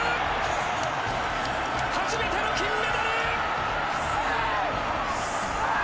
初めての金メダル！